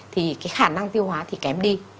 thì cái khả năng tiêu hóa thì kém đi